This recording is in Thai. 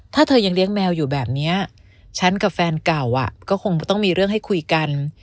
ถ้าเธอยังเลี้ยงแมวอยู่แบบนี้ฉันกับแฟนเก่าก็คงต้องมีเรื่องให้คุยกัน